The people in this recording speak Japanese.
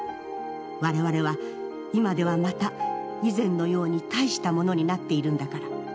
我々は今ではまた以前のように大したものになっているんだから』。